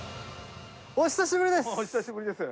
お久しぶりです。